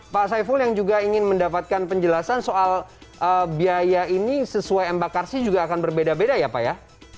pak saiful yang juga ingin mendapatkan penjelasan soal biaya ini sesuai embakasi juga akan berbeda beda ya pak ya